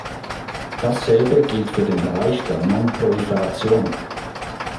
Dasselbe gilt für den Bereich der Nonproliferation.